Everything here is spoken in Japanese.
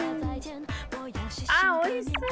あっおいしそう！